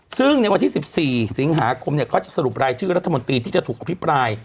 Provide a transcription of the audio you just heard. ซึ่งในวันที่๑๔สิงหาคมเขาจะสรุปรายชื่อรัฐมนตรีที่จะถูกอภิปราย